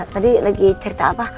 tadi lagi cerita apa